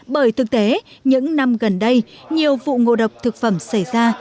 bởi thực tế những năm gần đây nhiều vụ ngộ độc thực phẩm xảy ra